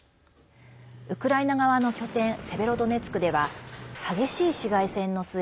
ウクライナ側の拠点セベロドネツクでは激しい市街戦の末